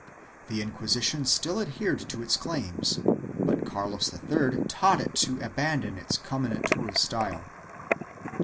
3 The Inquisition still adhered to its claims, but Carlos III taught it to abandon its comminatory style.